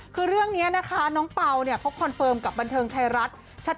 คือเรื่องนี้นะคะน้องเปล่าเนี่ยเขาคอนเฟิร์มกับบันเทิงไทยรัฐชัด